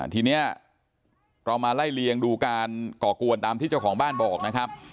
ทีนี้เรามาไล่เลียงดูการก่อกวนตามที่เจ้าของบ้านบอกนะครับ